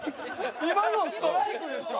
今のストライクですか？